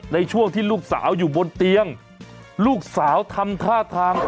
ในช่วงที่ลูกสาวอยู่บนเตียงลูกสาวทำท่าทาง